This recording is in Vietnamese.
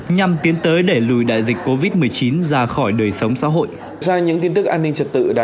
nhằm tiến tới để lùi đại dịch covid một mươi chín